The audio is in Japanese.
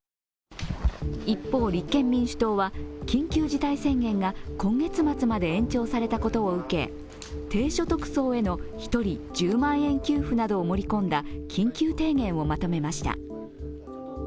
一方、立憲民主党は緊急事態宣言が今月末まで延長されたことを受け低所得層への１人１０万円給付などを盛り込んだ緊急提言をまとめました。